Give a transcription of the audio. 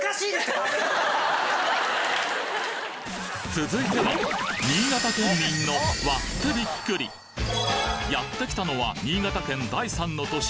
続いては新潟県民の割ってビックリやってきたのは新潟県第３の都市